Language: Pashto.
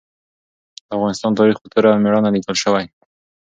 د افغانستان تاریخ په توره او مېړانه لیکل شوی.